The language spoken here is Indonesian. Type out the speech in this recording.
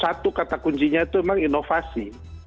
satu kata kuncinya itu memang inovasi